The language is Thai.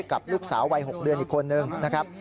กับลูกสาววัย๖เดือนอีกคนนึงนะครับ